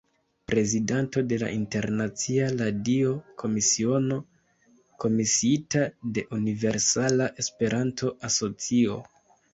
Prezidanto de la Internacia Radio-Komisiono, komisiita de Universala Esperanto-Asocio.